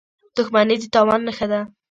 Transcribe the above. • دښمني د تاوان نښه ده.